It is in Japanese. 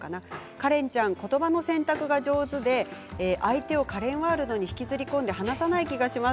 カレンちゃん、ことばの選択が上手で相手をカレンワールドに引きずり込んで離さない気がします。